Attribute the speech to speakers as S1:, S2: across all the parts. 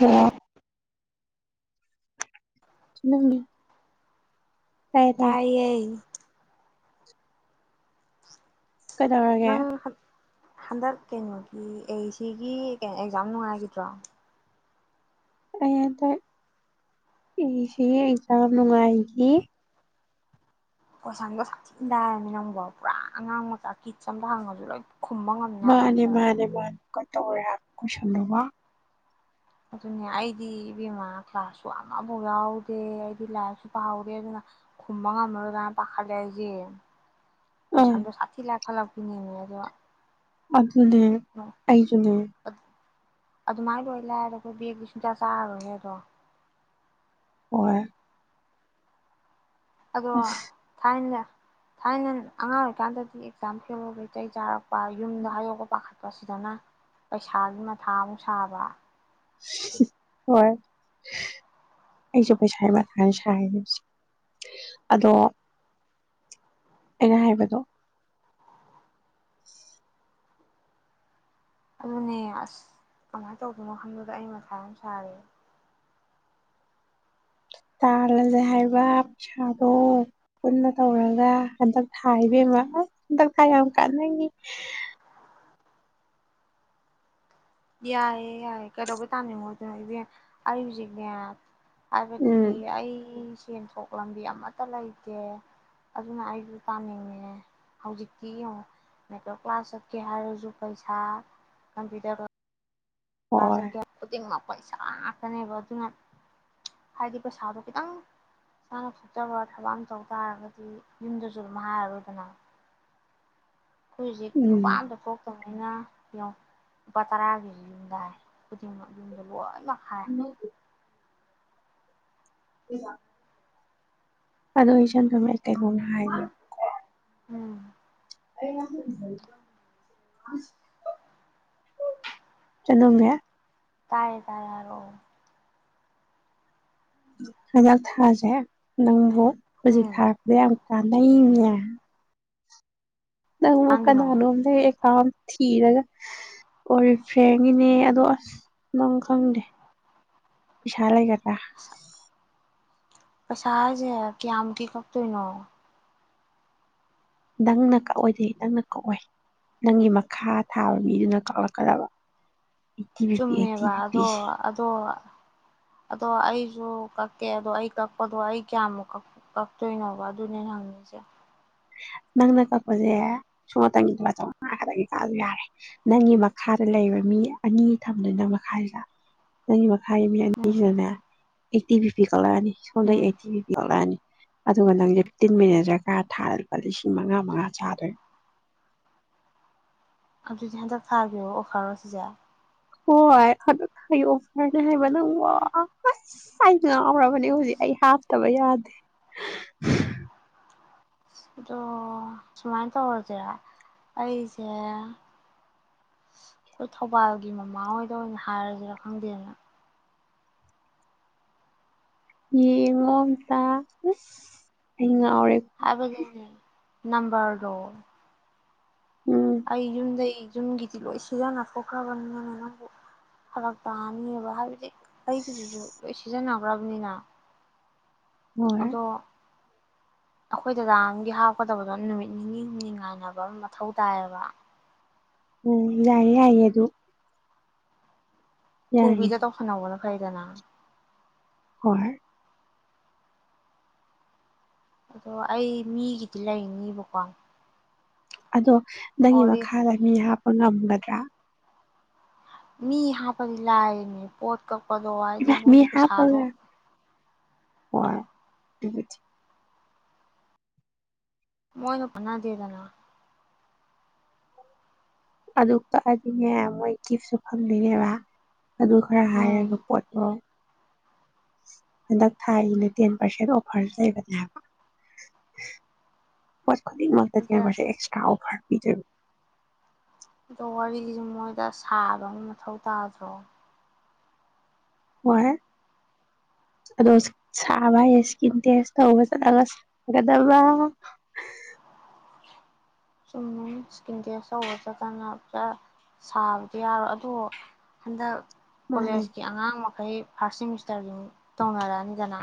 S1: ꯑ ꯅꯪ
S2: ꯇꯥꯏꯌꯦ ꯅꯪ
S1: ꯀꯩꯗꯧꯔꯒꯦ
S2: ꯍꯟꯗꯛ ꯀꯩꯅꯣꯒꯤ ꯑꯦ ꯁꯤꯒꯤ ꯀꯩꯅꯣ ꯑꯦꯛꯖꯥꯝ ꯅꯨꯡꯉꯥꯏꯈꯤꯗ꯭ꯔꯣ
S1: ꯑꯩ ꯑꯗꯣ ꯏꯁꯤ ꯑꯩꯖꯥ ꯅꯨꯡꯉꯥꯏꯈꯤ
S2: ꯀꯣꯏꯁꯝꯗꯣ ꯁꯥꯊꯤꯟꯗꯥ ꯍꯥꯏꯔꯃꯤ ꯅꯪꯕꯣ ꯄꯨꯔꯥ ꯑꯉꯥꯡ ꯃꯆꯥ ꯀꯤꯠꯁ ꯑꯝꯇ ꯍꯪꯉꯁꯨ ꯂꯣꯏ ꯈꯨꯝꯕ ꯉꯝꯅꯤ ꯍꯥꯏꯕ
S1: ꯃꯥꯅꯦ
S2: ꯑꯟꯁꯔꯗꯣ
S1: ꯃꯥꯅꯦ ꯃꯥꯅꯦ ꯇꯧꯔꯦ ꯈꯨꯨꯁꯟꯂꯧꯕ
S2: ꯑꯗꯨꯅꯦ ꯑꯩꯗꯤ ꯏꯕꯦꯝꯃꯥ ꯀ꯭ꯂꯥꯁꯁꯨ ꯑꯃꯐꯥꯎ ꯌꯥꯎꯗꯦ ꯑꯩꯗꯤ ꯂꯥꯏꯔꯤꯛꯁꯨ ꯄꯥꯍꯥꯎꯗꯦ ꯑꯗꯨꯅ ꯈꯨꯝꯕ ꯉꯝꯃꯔꯣꯏ ꯀꯅ ꯄꯥꯈꯠꯂꯦ ꯑꯩꯁꯦ ꯑꯣꯏ
S1: ꯑꯪ
S2: ꯁꯥꯟꯗꯣ ꯁꯥꯇꯤ ꯂꯥꯛ ꯍꯠꯂꯛꯄꯤꯅꯤꯡꯉ ꯑꯗꯣ
S1: ꯑ ꯑꯗꯨꯗ ꯑꯩꯁꯨꯗ
S2: ꯑꯗꯨꯃꯥꯏꯅ ꯂꯣꯏ ꯂꯗꯣ ꯑꯩꯈꯣꯏ ꯕꯦꯗꯤ ꯁꯨꯡꯆꯥ ꯆꯥꯔꯣꯏꯍꯦ ꯑꯗꯣ
S1: ꯍꯣꯏ
S2: ꯑꯗꯣ
S1: ꯑꯁ
S2: ꯊꯥꯏꯅ ꯊꯥꯏꯅ ꯑꯉꯥꯡ ꯑꯣꯏꯔꯤꯀꯥꯟꯗꯗꯤ ꯑꯦꯛꯖꯥꯝ ꯐꯦꯜꯂꯒꯩꯇꯩ ꯆꯥꯔꯛꯄ ꯄ ꯌꯨꯝꯗ ꯍꯥꯏ ꯄ ꯑꯣ ꯁꯤꯗꯅ ꯄꯩꯁꯥꯒꯤ ꯃꯊꯥ ꯑꯃꯨꯛ ꯁꯥꯕ
S1: ꯍꯣꯏ ꯑꯩꯁꯨ ꯄꯩꯁꯥꯒꯤ ꯃꯊꯥ ꯁꯥꯏꯅꯦ ꯑꯗꯣ ꯑꯩꯅ ꯍꯥꯏꯕꯗꯣ [inaudible]
S2: ꯑꯗꯨꯅꯦ ꯑꯁ ꯀꯃꯥꯏꯅ ꯇꯧꯗꯣꯏꯅꯣ ꯈꯪꯗꯨꯗ ꯑꯩ ꯃꯁꯥ ꯌꯥꯝ ꯁꯥꯔꯦ
S1: ꯇꯥꯜꯂꯂꯦ ꯍꯥꯏꯕ ꯄꯩꯁꯥꯗꯣ ꯄꯨꯟꯅ ꯇꯧꯔꯒ ꯍꯟꯗꯛ ꯊꯥ ꯏꯕꯦꯝꯃ ꯑꯁ ꯍꯟꯗꯛ ꯊꯥ ꯌꯥꯝ ꯀꯥꯟꯅꯉꯤ
S2: ꯌꯥꯏꯑꯦ ꯌꯥꯏꯌꯦꯦ ꯀꯩꯗꯧꯕꯩ ꯇꯥꯅꯤꯡꯉꯣ ꯑꯗꯨ ꯑꯩ ꯍꯧꯖꯤꯛꯅꯦ ꯍꯥꯏꯕꯗꯤ
S1: ꯎꯝ
S2: ꯑꯩ ꯁꯦꯟꯊꯣꯛ ꯂꯝꯕꯤ ꯑꯃꯠꯇ ꯂꯩꯇꯦ ꯑꯗꯨꯅ ꯑꯩꯁꯨ ꯇꯥꯅꯤꯡꯉꯦ ꯍꯧꯖꯤꯛꯇꯤ ꯌꯦꯡꯉ ꯃꯦꯇꯋ ꯀ꯭ꯂꯥꯁ ꯆꯠꯀꯦ ꯍꯥꯏꯔꯁꯨ ꯄꯩꯁꯥ ꯀꯝꯄ꯭ꯌꯨꯇꯔ
S1: ꯍꯣꯏ
S2: ꯁꯛꯦ ꯍꯥ ꯄꯩꯁꯥ ꯉꯥꯛꯇꯅꯦꯕ ꯑꯗꯨꯅ ꯍꯥꯏꯗꯤ ꯄꯩꯁꯥꯗꯣ ꯈꯤꯇꯪ ꯏꯁꯥꯅꯊꯆꯕ ꯊꯕꯛ ꯑꯃ ꯇꯧ ꯇꯥꯔꯒꯗꯤ ꯌꯨꯝꯗꯁꯨ ꯑꯗꯨꯝ ꯍꯥꯏꯔꯔꯣꯏꯗꯅ ꯑꯩꯈꯣꯏ ꯍꯧꯖꯤꯛ
S1: ꯎꯝ
S2: ꯂꯨꯄꯥ ꯑꯝꯇ ꯊꯣꯛꯇꯕ ꯑꯩꯅ ꯌꯦꯣ ꯂꯨꯄꯥ ꯇꯔꯥꯒꯤ ꯌꯨꯝꯗ ꯍꯥꯏ ꯈꯨꯗꯤꯡꯃꯛ ꯌꯨꯝꯗ ꯂꯣꯏ ꯃꯈ ꯍꯥꯏꯥꯏ
S1: ꯏꯥ ꯑꯗꯣ ꯍꯁ ꯊꯃꯤꯇꯩꯒꯨꯅ ꯍꯥꯏ
S2: ꯎꯝ
S1: ꯑ ꯉ ꯆꯅꯣꯒ
S2: ꯇꯥꯔꯦ ꯇꯥꯔꯦꯔꯣ
S1: [unintelligible]
S2: ꯎꯝ
S1: [unintelligible] [unintelligible]
S2: ꯉꯥꯡꯒꯤꯅꯣ
S1: [unintelligible] ꯊꯤꯔꯒ ꯑꯣꯏ ꯐ꯭ꯔꯦꯟꯒꯤꯅꯦ ꯑꯗꯣ ꯑꯁ ꯅꯪ ꯈꯪꯗꯦ ꯄꯩꯁꯥ ꯂꯩꯒꯅꯤ [unintelligible]
S2: ꯄꯩꯁꯥꯖꯦ ꯀꯌꯥꯀꯤ ꯀꯛꯇꫭꯏꯅꯣ
S1: ꯅꯪꯅ ꯀꯛꯑꯣꯏꯗꯤ ꯅꯪꯅ ꯀꯛꯑꯣꯏ ꯅꯪꯒꯤ ꯃꯈꯥ ꯊꯥꯕ ꯃꯤꯗꯨꯅ ꯀꯛꯂꯛꯀꯗꯕ ꯑꯩꯠꯇꯤ ꯕꯤꯄꯤ ꯑꯩꯠꯇꯤ
S2: ꯆꯨꯝꯃꯦꯕ ꯑꯗꯣ
S1: ꯕꯤꯄꯤꯁꯦ
S2: ꯑꯗꯣ ꯑꯗꯣ ꯑꯩꯁꯨ ꯀꯛꯀꯦ ꯑꯗꯣ ꯑꯩ ꯀꯛꯄꯗꯣ ꯑꯩ ꯀꯌꯥꯃꯨꯛ ꯀꯛꯇꯣꯏꯅꯣꯕ ꯑꯗꯨꯅꯦ ꯍꯪꯏꯁꯦ
S1: ꯅꯪꯅ ꯀꯛꯄꯁꯦ ꯁꯣꯇꯪꯒꯤꯉ ꯈꯛꯇꯪ ꯀꯛꯑꯁꯨ ꯌꯥꯔꯦ ꯅꯪꯒꯤ ꯃꯈꯥꯗ ꯂꯩꯕ ꯃꯤ ꯑꯅꯤ ꯊꯝꯗꯣꯏ ꯅꯪ ꯃꯈꯥꯁꯤꯗ ꯅꯪꯒꯤ ꯃꯈꯥ [unintelligible]
S2: ꯎꯝ ꯎꯝ
S1: [unintelligible] [unintelligible] ꯑꯗꯨꯒ ꯅꯪ ꯐꯤꯞꯇꯤꯟ ꯃꯤꯅꯖꯔ ꯊꯥ ꯂꯨꯄꯥ ꯂꯤꯁꯤꯡ ꯃꯉꯥ ꯃꯉꯥ ꯆꯥꯗꯨꯏꯕ
S2: ꯑꯗꯨꯗꯤ ꯍꯟꯗꯛ ꯊꯥꯈꯤꯕꯣ ꯑꯣꯈꯥꯔꯣ ꯁꯤꯁꯦ
S1: ꯍꯣꯏ ꯑꯗꯨ ꯑꯩ ꯑꯣꯐꯔꯅꯦ ꯍꯥꯏꯕ ꯅꯪ ꯋꯥꯁ ꯑꯩ ꯉꯥꯎꯔꯕꯅꯦ ꯍꯧꯖꯤꯛ ꯑꯩ ꯍꯥꯞꯇꯕ ꯌꯥꯗꯦ
S2: ꯑꯗꯣ ꯁꯨꯃꯥꯏꯅ ꯇꯧꯔꯁꯤꯔꯥ ꯑꯩꯁꯦ ꯑꯩꯈꯣꯏ ꯊꯧꯕꯥꯜꯒꯤ ꯃꯃꯥꯍꯣꯏꯗ ꯑꯣꯏꯅ ꯍꯥꯏꯔꯁꯤꯔꯥ ꯈꯪꯗꯦꯅ
S1: ꯌꯦꯉꯝꯇ
S2: ꯍꯥꯕ ꯅꯝꯕꯔ ꯗꯣ
S1: ꯎꯝ
S2: ꯑꯩ ꯌꯨꯝꯗꯒꯤꯩ ꯌꯨꯝꯒꯤꯗꯤ ꯂꯣꯏ ꯁꯤꯖꯟꯅ ꯈꯣꯛꯈ꯭ꯔꯕꯅꯤꯅ ꯅꯪꯕꯨ ꯐꯔꯛ ꯇꯥꯅꯤꯕ ꯍꯥꯏꯕꯗꯤ ꯑꯩꯒꯤ ꯁꯤꯖꯤꯟꯅꯥꯈ꯭ꯔꯥꯕꯅꯤꯅ
S1: ꯍꯣꯏ
S2: ꯑꯗꯣ ꯑꯩꯈꯣꯏ ꯗꯗꯥꯝꯒꯤ ꯍꯥꯞꯀꯗꯕꯗꯣ ꯅꯨꯃꯤꯠ ꯅꯤꯅꯤ ꯍꯨꯝꯅꯤ ꯉꯥꯏꯅꯕ ꯃꯊꯧ ꯇꯥꯏꯌꯦꯕ
S1: ꯑꯣꯝ ꯌꯥꯏ ꯌꯥꯏ ꯑ ꯑꯗꯨ ꯌꯥꯏꯌꯦ
S2: ꯊꯨꯕꯤꯗ ꯇꯣꯐꯅ ꯋꯥꯅ ꯎꯐꯥꯏꯗꯅ
S1: ꯍꯣꯏ
S2: ꯑꯗꯣ ꯑꯩ ꯃꯤꯒꯤꯗꯤ ꯂꯩꯅꯤꯕꯀꯣ
S1: ꯑꯗꯣ ꯅꯪꯉ
S2: ꯑꯣꯗꯤ
S1: ꯃꯈꯥꯗꯅꯤ ꯍꯥ ꯑꯣꯅꯗ꯭ꯔꯥ
S2: [unintelligible]
S1: ꯃꯤ ꯍꯥꯞꯄꯒ
S2: [unintelligible]
S1: [unintelligible]
S2: ꯃꯣꯏꯅ ꯐꯅꯥꯗꯦꯗꯅ
S1: ꯑꯗꯨ ꯀꯛꯑꯗꯤꯅꯦ ꯃꯣꯏ ꯒꯤꯐꯁꯨ ꯐꯪꯗꯣꯏꯅꯦꯕ ꯑꯗꯨ ꯈꯔ ꯍꯥꯏꯔꯒ
S2: ꯎꯝ
S1: ꯄꯣꯠꯇꯣ ꯍꯟꯗꯛ ꯊꯥꯏꯒꯤꯅ ꯇꯦꯟ ꯄꯥꯔꯁꯦꯟ ꯑꯣꯐꯔ ꯂꯩꯕꯅꯦꯕ ꯑꯅꯤ ꯃ ꯀꯌꯥ
S2: ꯑꯗ
S1: ꯄꯔꯁꯦ ꯑꯦꯛꯁꯇ꯭ꯔꯥ ꯑꯣꯐꯔ ꯄꯆꯔ
S2: ꯑꯗꯣ ꯋꯥꯔꯤꯒꯤꯁꯨ ꯃꯣꯏꯗ ꯁꯥꯕ ꯑꯃ ꯃꯊꯧ ꯇꯥꯗ꯭ꯔꯣ
S1: ꯍꯣꯏ ꯑꯗꯣ ꯁꯥꯕ ꯏꯁꯀꯤꯟ ꯇꯦꯁ ꯇꯒ ꯆꯠꯂꯒ ꯁꯥꯒꯗꯕ
S2: ꯁꯨꯝ ꯏꯁꯀꯤꯟ ꯇꯦꯁ ꯇꯧꯕ ꯆꯠꯇꯅ ꯁꯥꯕꯗꯤ ꯌꯥꯔꯣꯏ ꯑꯗꯨ ꯍꯟꯗꯛ
S1: ꯃꯥꯅꯦ
S2: ꯀꯣꯦꯁꯀꯤ ꯑꯉꯥꯡ ꯑꯩꯈꯩ ꯐꯥꯔꯁꯠ ꯁꯤꯃꯤꯁꯇꯔꯁꯤꯡ ꯇꯧꯅꯔꯅꯤꯗꯅꯅꯥ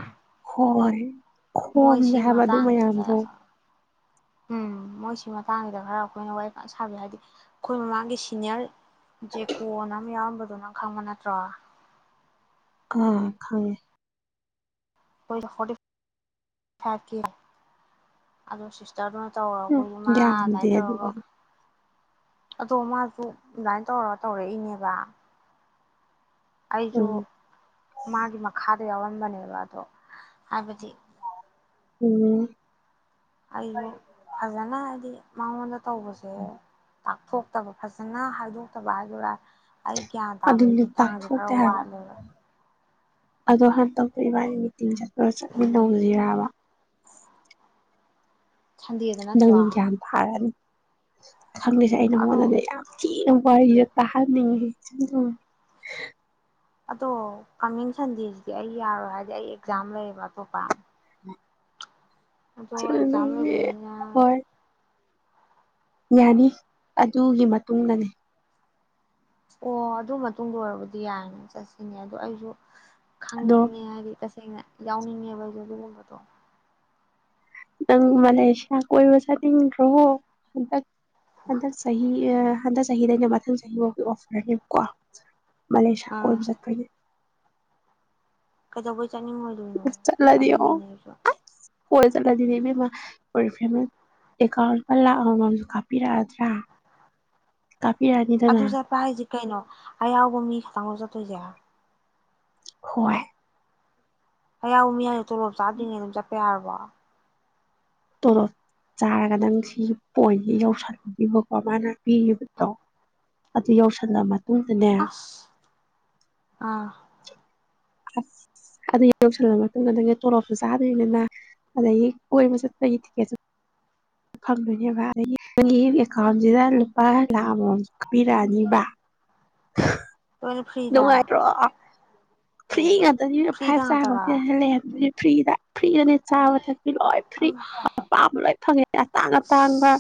S1: ꯍ [unintelligible] ꯈꯣꯝꯁꯦ ꯍꯥꯏꯕ ꯑꯗꯨ
S2: ꯃꯇꯥꯡꯁꯤꯗ
S1: ꯃꯌꯥꯝꯗꯣ
S2: ꯎꯝ ꯃꯣꯏꯁꯤ ꯃꯇꯥꯡꯁꯤꯗ ꯈꯔ ꯑꯩꯈꯣꯏꯅ ꯋꯥꯔꯤ ꯁꯥꯕꯤ ꯍꯥꯏꯗꯤ ꯑꯩꯈꯣꯏ ꯃꯃꯥꯡꯒꯤ ꯁꯤꯅꯤꯌꯔ ꯖꯦꯀꯣꯅ ꯑꯃ ꯌꯥꯎꯔꯝꯕꯗꯨꯣ ꯅꯪ ꯈꯪꯕ ꯅꯠꯇ꯭ꯔꯣ
S1: ꯑ ꯈꯪꯉꯦ
S2: ꯊꯦ ꯑꯗꯨ ꯁꯤꯁꯗꯨꯅ [unintelligible] ꯇꯧꯔ
S1: ꯎꯝ
S2: ꯀꯏ ꯏꯃ
S1: ꯌꯥꯝꯗꯦ
S2: ꯑꯗꯨꯃꯥꯏꯅ
S1: ꯑꯗꯨꯒ
S2: ꯇꯧꯔꯒ ꯑꯗꯣ ꯃꯥꯁꯨ ꯑꯗꯨꯃꯥꯏꯅ ꯇꯧꯔ ꯇꯧꯔꯛꯏꯅꯦꯕ ꯑꯩꯁꯨ
S1: ꯎꯝ
S2: ꯃꯥꯒꯤ ꯃꯈꯥ ꯑꯗꯨ ꯌꯥꯎꯔꯟꯕꯅꯦꯕ ꯑꯗꯣ ꯍꯥꯏꯕꯗꯤ
S1: ꯎꯝ
S2: ꯑꯩꯕꯨ ꯐꯖꯅ ꯍꯥꯏꯗꯤ ꯃꯥ [unintelligible] ꯇꯧꯕꯁꯦ ꯇꯥꯛꯊꯣꯛꯇꯕ ꯐꯖꯅ ꯍꯥꯏꯗꯣꯛꯇꯕ ꯍꯥꯏꯗꯔꯥ ꯑꯩ ꯒ꯭ꯌꯥꯟ ꯇꯥꯕꯒꯤ
S1: ꯑꯗꯨꯅꯦ
S2: ꯆꯥꯡꯁꯦ ꯈꯔ
S1: ꯇꯥꯛꯊꯣꯛꯇꯦ ꯍꯥꯏꯕ
S2: ꯋꯥꯠꯂꯦꯕ
S1: ꯑꯗꯣ ꯍ ꯇꯣꯛ ꯏꯕꯥꯅꯤ ꯃꯤꯇꯤꯡ ꯆꯠ ꯈꯔ ꯆꯠꯃꯤꯟꯅꯧꯁꯤꯔꯔꯕ
S2: ꯁꯟꯗꯦꯗ ꯅꯠꯇ꯭ꯔꯣ
S1: ꯅꯪꯒ꯭ꯌꯥꯟ ꯐꯥꯔꯅꯤ [inaudible] ꯈꯪꯂꯤꯁꯦ ꯑꯩ
S2: ꯑꯗꯣ
S1: ꯅꯉꯣꯟꯗ ꯌꯥꯝ ꯊꯤꯅ ꯋꯥꯔꯤꯁ ꯇꯥꯍꯟꯅꯤꯡꯉ
S2: ꯑꯗꯣ ꯀꯃꯤꯡ ꯁꯟꯗꯦꯁꯤꯗꯤ ꯑꯩ ꯌꯥꯔꯣꯏ ꯍꯥꯏꯗꯤ ꯑꯩ ꯑꯦꯛꯖꯥꯝ ꯂꯩꯌꯦꯕ ꯑꯇꯣꯞꯄ
S1: ꯎ
S2: ꯑꯗꯨꯗꯣ ꯆꯝꯕꯅꯤꯔ
S1: ꯍꯣꯏ ꯌꯥꯅꯤ ꯑꯗꯨꯒꯤ ꯃꯇꯨꯡꯗꯅꯦ
S2: ꯑꯣ ꯑꯗꯨ ꯃꯇꯨꯡꯗ ꯑꯣꯏꯔꯕꯗꯤ ꯌꯥꯏꯅꯦ ꯆꯠꯁꯤꯅꯦ ꯑꯗꯣ ꯑꯩꯁꯨ
S1: ꯑꯗꯣ
S2: ꯈꯪꯅꯤꯡꯉꯦ ꯍꯥꯏꯗꯤ ꯑꯁ ꯁꯦꯡꯅ ꯌꯥꯎꯅꯤꯡꯉꯦꯕ ꯑꯗꯨꯒꯨꯝꯕꯗꯣ꯫
S1: ꯅꯪ ꯃꯂꯦꯁꯤꯌꯥ ꯀꯣꯏꯕ ꯆꯠꯅꯤꯡꯗꯔꯣ? ꯍꯟꯗꯛ ꯆꯍꯤ ꯑꯥ ꯍꯟꯗꯛ ꯆꯍꯤꯗꯩꯅ ꯃꯊꯪ ꯆꯍꯤꯐꯥꯎꯒꯤ ꯑꯣꯐꯔꯅꯦꯕꯀꯣ꯫ ꯃꯂꯦꯁꯤꯌꯥ
S2: ꯑꯥ
S1: ꯀꯣꯏꯕ ꯆꯠꯄꯥꯒꯤ꯫
S2: ꯀꯩꯗꯧꯕꯩ ꯆꯥꯅꯤꯡꯉꯣꯏꯗꯣꯏꯅꯣ
S1: ꯑꯁ ꯆꯠꯂꯗꯤ ꯑꯣ
S2: ꯆꯠꯅꯤꯡꯉꯤꯅꯦ ꯑꯩꯁꯨ꯫
S1: ꯀꯣꯏ ꯆꯠꯂꯗꯤꯅꯦ ꯏꯕꯦꯝꯃ ꯑꯣꯔꯤꯐꯂꯦꯝꯅ ꯑꯀꯧꯟꯠ ꯂꯨꯄꯥ ꯂꯥꯛ ꯑꯃꯃꯝꯁꯨ ꯀꯥꯞꯄꯤꯔꯛꯑꯗ꯭ꯔꯥ꯫ ꯀꯥꯞꯄꯤꯔꯛꯑꯅꯤꯗꯅ
S2: ꯑꯗꯨ ꯆꯠꯄ ꯍꯥꯏꯁꯤ ꯀꯩꯅꯣ ꯑꯌꯥꯎꯕ ꯃꯤ ꯈꯇꯪ ꯂꯧ ꯆꯠꯄ ꯇꯣꯏꯖꯦ꯫
S1: ꯍꯣꯏ ꯫
S2: ꯑꯌꯥꯑꯣꯕꯥ ꯃꯤ ꯇꯣꯂꯣꯞ ꯆꯥꯗꯔꯤꯉꯩ ꯑꯗꯨꯝ ꯆꯠꯄ ꯌꯥ ꯋꯥ!
S1: ꯇꯣꯂꯣꯞ ꯆꯥꯔꯒ ꯅꯪ ꯁꯤ ꯄꯣꯏꯟꯁ ꯌꯧꯁꯟꯕꯀꯣ ꯃꯥꯅ ꯄꯤꯔꯤꯕꯗꯣ ꯑꯗꯨ ꯌꯧꯁꯜꯂꯝꯕ
S2: ꯑꯁ ꯑꯥ
S1: ꯑꯁ ꯑꯗꯨ ꯌꯧꯁꯜꯂꯕ ꯃꯇꯨꯡꯗ ꯅꯪꯒꯤ ꯇꯣꯂꯣꯞꯁꯨ ꯆꯥꯗꯣꯏꯅꯤꯅ ꯑꯗꯒꯤ ꯀꯣꯏꯕ ꯆꯠꯄꯒꯤ ꯇꯤꯛꯀꯦꯠꯁꯨ ꯐꯪꯗꯣꯏꯅꯦꯕ ꯑꯗꯒꯤ ꯑꯩꯒꯤ ꯑꯦꯀꯥꯎꯟꯁꯤꯗ ꯂꯨꯄꯥ ꯂꯥꯛ ꯑꯃꯥꯃꯝꯖꯨ ꯀꯛꯄꯤꯔꯛꯑꯅꯤꯕ꯫
S2: ꯂꯣꯏꯅꯥ ꯐꯔ꯭ꯤꯗꯥ?
S1: ꯐꯔ꯭ꯤ ꯉꯥ ꯑꯗꯨ ꯐꯥꯏꯚ ꯁꯇꯥꯔ
S2: ꯉꯥꯛꯇꯔꯣ
S1: ꯍꯣꯇꯦꯜꯗ ꯂꯩꯍꯟꯗꯨꯏꯅꯤ꯫ ꯐꯔ꯭ꯤꯗ ꯐ꯭ꯔꯤꯗꯅꯦ ꯆꯥꯕ ꯊ ꯂꯣꯏ ꯐ꯭ꯔꯤ
S2: ꯌꯥꯝ
S1: ꯑꯄꯥꯝꯕ ꯂꯣꯏ ꯐꯪꯉꯦ ꯑꯇꯥꯡ- ꯑꯇꯥꯡꯕ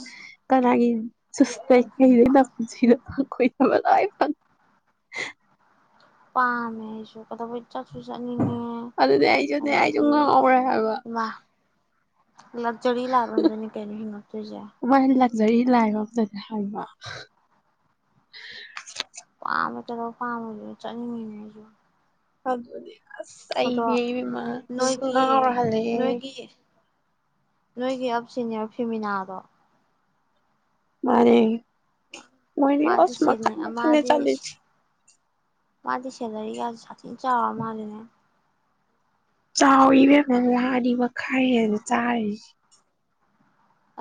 S1: ꯀꯅꯥꯒꯤ ꯆꯁ ꯀꯩꯗꯅ ꯅꯄꯨꯟꯁꯤꯗ ꯐꯈꯣꯏꯗꯕ ꯂꯣꯏ ꯐꯉꯥ꯫
S2: ꯄꯥꯝꯃꯦ ꯑꯩꯁꯨ ꯀꯗꯧꯕꯩ
S1: ꯑꯗꯨꯗꯤ ꯑꯩꯁꯨꯅꯦ ꯑꯩꯁꯨ
S2: ꯑꯗꯒꯤ
S1: ꯉꯥꯡꯍꯧꯔꯦ ꯍꯥꯏꯕ꯫
S2: ꯏꯃꯥ ꯂꯛꯖꯔꯤ ꯂꯥꯏꯄ ꯑꯃꯗꯥꯅꯤ ꯀꯩꯅꯣ ꯍꯤꯡꯉꯛꯇꯣꯏꯖꯦ꯫
S1: ꯖꯔꯤ ꯂꯥꯏꯕ ꯑꯝꯗꯅꯦ ꯍꯥꯏꯕ꯫
S2: ꯄꯥꯝꯃꯦ ꯀꯩꯗꯧ ꯄꯥꯝꯃꯣꯏꯗꯣꯏꯅꯣ ꯆꯠꯅꯤꯡꯉꯤꯅꯦ ꯑꯩꯁꯨ꯫
S1: [unintelligible] ꯑꯁ
S2: ꯑꯗꯣ
S1: ꯑꯩꯗꯤ ꯏꯕꯦꯝꯃꯥ
S2: ꯅꯣꯏꯒꯤ
S1: ꯉꯥꯑꯣꯔꯥ ꯍꯜꯂꯛ ꯑ꯫
S2: ꯅꯣꯏꯒꯤ ꯅꯣꯏꯒꯤ ꯑꯞ ꯁꯤꯅꯤꯌꯔ ꯐꯤꯃꯤꯅꯥꯗꯣ
S1: ꯃꯥꯅꯦ꯫ ꯃꯣꯏꯗꯤ
S2: ꯃꯥꯗꯤ
S1: ꯑꯁ
S2: ꯁꯦꯅꯤ
S1: ꯃꯈꯜ ꯃꯈꯜ ꯅꯦ
S2: ꯃꯥꯗꯤ
S1: ꯆꯠꯂꯤꯁꯤ꯫
S2: ꯃꯥꯗꯤ ꯁꯦꯂꯔꯤꯒ ꯁꯥꯊꯤꯟ ꯆꯥꯔ ꯃꯥꯜꯂꯤꯅꯦ꯫
S1: ꯆꯥꯎꯋꯤ ꯏꯕꯦꯝꯃ [unintelligible] ꯑꯅꯤ ꯃꯈꯥꯏ ꯆꯥꯔꯤꯁꯦ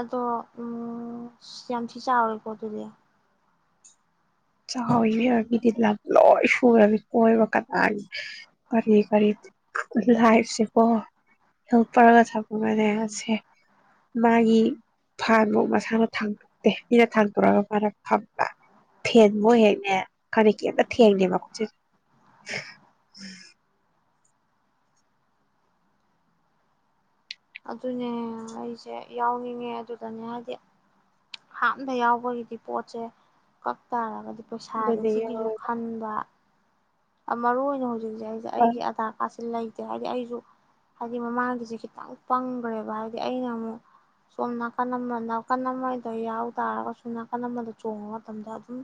S2: ꯑꯗꯣ ꯎꯝ ꯌꯥꯝ ꯊꯤ ꯆꯥꯎꯔꯦꯀꯣ ꯑꯗꯨꯗꯤ
S1: ꯆꯥꯎꯋꯤ ꯏꯕꯦꯝꯃ ꯃꯤꯗꯤ ꯂꯝ ꯂꯣꯏ ꯁꯨꯔꯝꯃꯤ ꯀꯣꯏꯕ ꯀꯅꯥꯒꯤ ꯀꯔꯤ ꯀꯔꯤ ꯂꯥꯏꯐ ꯁꯦꯀꯣ ꯍꯦꯜ ꯄꯔꯒ ꯊꯝꯃꯒꯅꯦ ꯁꯦ ꯃꯥꯒꯤ ꯐꯥꯟ ꯕꯨꯛ ꯃꯁꯥꯅ ꯊꯥꯡꯗꯣꯛꯇꯦ ꯃꯤꯅ ꯊꯥꯡꯗꯣꯔꯑꯒ ꯃꯥꯅ ꯐꯝꯕ ꯐꯦꯟ ꯕꯧ ꯍꯦꯛꯅꯦ ꯈꯪꯗꯦ ꯀꯔꯤꯝꯇ ꯊꯦꯡꯗꯦ ꯃꯈꯨꯠꯁꯤꯅ
S2: ꯑꯗꯨꯅꯦ ꯑꯩꯁꯦ ꯌꯥꯎꯅꯤꯡꯉꯦ ꯑꯗꯨꯗꯅꯦ ꯍꯥꯏꯗꯤ ꯍꯥꯞꯅ ꯌꯥꯎꯕꯒꯤꯗꯤ ꯄꯣꯠꯁꯦ ꯀꯛ ꯇꯔꯒꯗꯤ ꯄꯩꯁꯥꯥꯁꯦ
S1: ꯑꯗꯨꯗ
S2: ꯁꯤꯒꯤꯁꯨ
S1: ꯌꯥꯎꯔꯒ
S2: ꯈꯟꯕ ꯑ ꯃꯔꯨ ꯑꯣꯏꯅ ꯍꯧꯖꯤꯛ ꯑꯩꯒꯤ ꯑꯙꯥꯀꯥꯠ ꯂꯩꯇꯦ ꯍꯥꯏꯗꯤ ꯑꯩꯁꯨ ꯍꯥꯏꯗꯤ ꯃꯃꯥꯡꯒꯤꯁꯦ ꯈꯤꯇꯪ ꯄꯪꯒ꯭ꯔꯦꯕ ꯍꯥꯏꯗꯤ ꯑꯩꯅ ꯑꯃꯨꯛ ꯁꯣꯝ ꯅꯥꯀꯟ ꯑꯃ ꯅꯥꯀꯟ ꯑꯃꯗ ꯌꯥꯎ ꯇꯥꯔꯒꯁꯨ ꯅꯥꯀꯟ ꯑꯃꯗ ꯆꯣꯡꯕ ꯃꯇꯝꯗ ꯑꯗꯨꯝ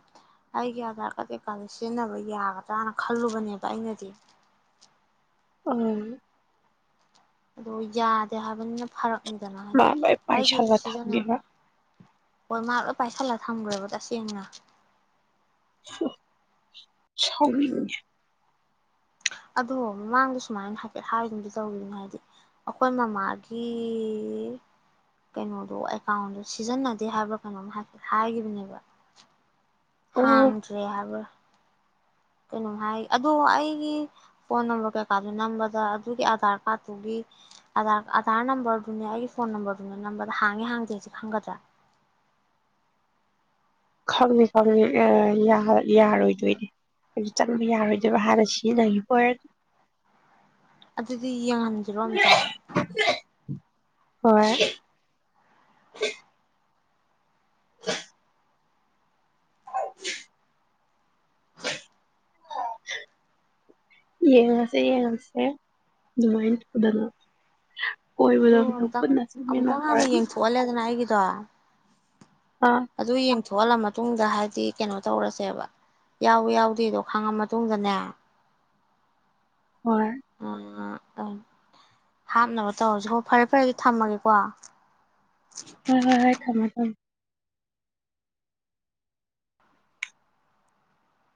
S2: ꯑꯩꯒꯤ ꯑꯙꯥꯔ ꯀꯥꯔꯗ ꯀꯩꯀꯥꯗ ꯁꯤꯖꯤꯟꯅꯕ ꯌꯥꯒꯗ꯭ꯔ [unintelligible] ꯈꯜꯂꯨꯕꯅꯦꯕ ꯑꯩꯅꯗꯤ
S1: ꯎꯝ
S2: ꯑꯗꯣ ꯌꯥꯗꯦ ꯍꯥꯏꯕꯅꯤꯅ ꯐꯔꯛꯅꯤꯗꯅ
S1: ꯃꯥ
S2: ꯍꯥꯏꯗꯤ
S1: ꯂꯣꯏ
S2: ꯑꯩꯒꯤꯁꯨ
S1: ꯄꯥꯏꯁꯜꯂ
S2: ꯁꯤꯖꯤꯟꯅ
S1: ꯊꯝꯃꯦꯕ
S2: ꯍꯣꯏ ꯃꯥ ꯂꯣꯏ ꯄꯥꯏꯁꯜꯂꯒ ꯊꯝꯒ꯭ꯔꯦꯕ ꯇꯁꯦꯡꯅ
S1: [unintelligible] ꯁꯥꯎꯅꯤꯡꯉꯦ
S2: ꯑꯗꯣ ꯃꯃꯥꯡꯗ ꯁꯨꯃꯥꯏꯅ ꯍꯥꯏꯐꯦꯠ ꯍꯥꯏꯒꯨꯝꯗꯤ ꯇꯧꯒꯤꯝꯅꯦ ꯍꯥꯏꯗꯤ ꯑꯈꯣꯏ ꯃꯃꯥꯒꯤ ꯀꯩꯅꯣꯗꯣ ꯑꯦꯀꯥꯎꯟꯗꯣ ꯁꯤꯖꯤꯟꯅꯗꯦ ꯍꯥꯏꯕ꯭ꯔꯥ ꯀꯩꯅꯣꯝ ꯍꯥꯏꯐꯦꯠ ꯍꯥꯏꯒꯤꯕꯅꯦꯕ
S1: ꯑꯣ
S2: ꯍꯥꯡꯗ꯭ꯔꯦ ꯍꯥꯏꯕ ꯀꯩꯅꯣꯝ ꯍꯥꯏ ꯑꯗꯣ ꯑꯩꯒꯤ ꯐꯣꯟ ꯅꯝꯕꯔ ꯀꯩꯀꯥꯗꯨ ꯅꯝꯕꯗ ꯑꯗꯨꯒꯤ ꯑꯙꯥꯔ ꯀꯥꯔꯠꯇꯨꯒꯤ ꯑꯙꯥꯔ ꯅꯝꯕꯔꯗꯨꯅꯦ ꯑꯩꯒꯤ ꯐꯣꯟ ꯅꯝꯕ꯭ꯔ ꯗꯨꯅꯦ ꯅꯝꯕꯗ ꯍꯥꯡꯉꯤ ꯍꯥꯡꯗꯦꯁꯤ ꯈꯪꯒꯗ꯭ꯔꯥ
S1: ꯈꯪꯉꯤ ꯈꯪꯉꯤ [unintelligible] ꯌꯥꯔꯣꯏꯗꯣꯏꯅꯦ ꯍꯧꯖꯤꯛ ꯆꯪꯕ ꯌꯥꯔꯣꯏꯗꯣꯏꯕ ꯍꯥꯟꯅ ꯁꯤꯖꯤꯟꯅꯒꯤꯕ ꯑꯣꯏꯔꯗꯤ
S2: ꯑꯗꯨꯗꯤ ꯌꯥꯍꯟꯁꯤꯔꯣ ꯑꯝꯇꯪ
S1: ꯍꯣꯏ [unintelligible] ꯌꯦꯡꯉꯁꯦ ꯌꯦꯡꯉꯁꯦ ꯑꯗꯨꯃꯥꯏ [unintelligible] ꯀꯣꯏꯕꯗꯣ
S2: ꯑꯗꯨ
S1: ꯑꯝꯇꯪ ꯄꯨꯟꯅ
S2: ꯑꯃꯨꯛꯇꯪ ꯍꯥꯟꯅ
S1: ꯆꯠꯃꯤꯟꯍꯧꯔꯅꯤ
S2: ꯌꯦꯡꯊꯣꯛꯍꯜꯂꯦꯗꯅ [unintelligible] ꯑꯗꯨ ꯌꯦꯡ ꯊꯣꯛꯍꯜꯂ ꯃꯇꯨꯡꯗ ꯍꯥꯏꯗꯤ ꯀꯩꯅꯣ ꯇꯧꯔꯁꯦꯕ ꯌꯥꯎ ꯌꯥꯎꯗꯦꯗꯣ ꯈꯪꯉ ꯃꯇꯨꯡꯗꯅꯦ
S1: ꯍꯣꯏ
S2: ꯎꯝ ꯍꯥꯞꯅꯕ ꯇꯧꯔꯁꯤ ꯍꯣ ꯐꯔꯦ ꯐꯔꯦ ꯑꯗꯨꯗꯤ ꯊꯝꯃꯒꯦꯀꯣ
S1: ꯍꯣꯏ ꯍꯣꯏ ꯍꯣꯏ ꯊꯝꯃꯣ ꯊꯝꯃꯣ